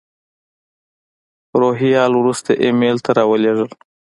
روهیال وروسته ایمیل ته را ولېږل.